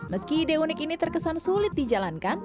meski ide unik ini terkesan sulit dijalankan